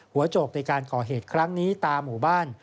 โจกในการก่อเหตุครั้งนี้ตามหมู่บ้าน